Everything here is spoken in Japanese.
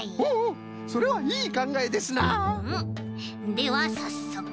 ではさっそく。